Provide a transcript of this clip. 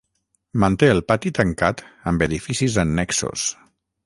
Manté el pati tancat amb edificis annexos.